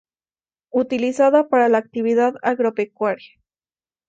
Utilizada para la actividad agropecuaria.